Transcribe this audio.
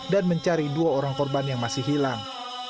dan mencari dua orang korban yang masih hilang